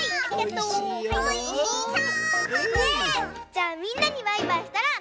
じゃあみんなにバイバイしたらたべよう！